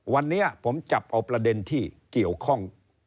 วันนี้ผมจับเอาประเด็นที่เกี่ยวข้อง